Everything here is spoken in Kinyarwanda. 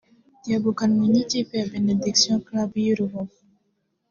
ryegukanwe n’ikipe ya Benediction Club y’i Rubavu